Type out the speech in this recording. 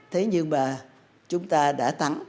thế nhưng mà chúng ta đã thắng